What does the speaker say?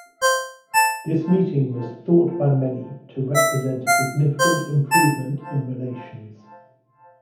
This meeting was thought by many to represent a significant improvement in relations.